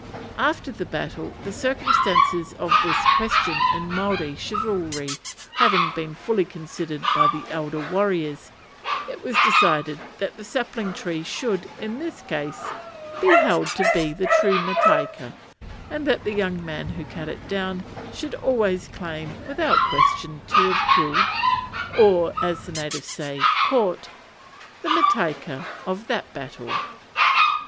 After the battle the circumstances of this question in Maori chivalry having been fully considered by the elder warriors, it was decided that the sapling tree should, in this case, be held to be the true mataika, and that the young man who cut it down should always claim, without question, to have killed, or, as the natives say, "caught," the mataika of that battle.